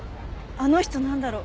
あの人なんだろう？